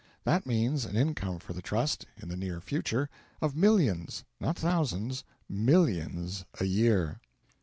That means an income for the Trust in the near future of millions: not thousands millions a year.